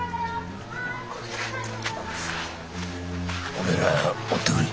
おめえら追ってくれ。